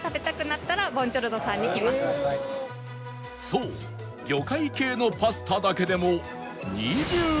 そう魚介系のパスタだけでも